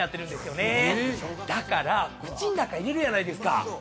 だから口ん中入れるやないですか。